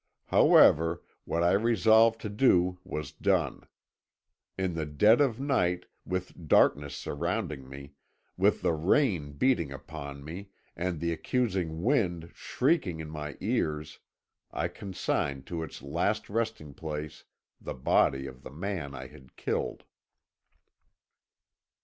"However, what I resolved to do was done. In the dead of night, with darkness surrounding me, with the rain beating upon me, and the accusing wind shrieking in my ears, I consigned to its last resting place the body of the man I had killed.